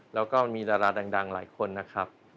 แล้วก็มีดาราดังหลายคนนะครับ